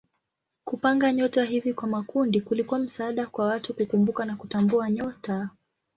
Kupanga nyota hivi kwa makundi kulikuwa msaada kwa watu kukumbuka na kutambua nyota.